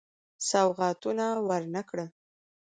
سوغاتونه ورنه کړل.